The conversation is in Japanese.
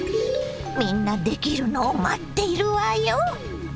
みんなできるのを待っているわよ！